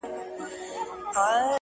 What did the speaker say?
o هر چيري چي زړه ځي، هلته پښې ځي!